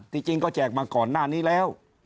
จริงก็แจกมาก่อนหน้านี้แล้ว